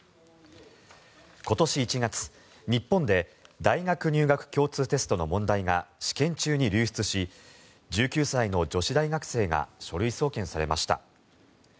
今年１月、日本で大学入学共通テストの問題が試験中に流出し１９歳の女子大学生が書類送検されました。